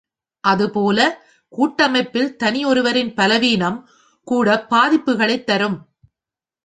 அதுபோலக் கூட்டமைப்பில் தனி ஒருவரின் பலவீனம் கூட பாதிப்புகளைத் தரும்.